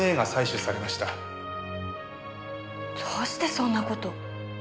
どうしてそんな事！